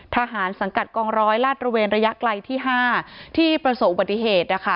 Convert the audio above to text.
สังกัดกองร้อยลาดระเวนระยะไกลที่๕ที่ประสบอุบัติเหตุนะคะ